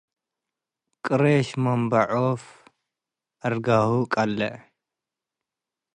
ቅሬሽ መምበ ዖፍ አርግሁ ቀልዕ